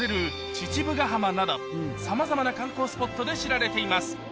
父母ヶ浜などさまざまな観光スポットで知られています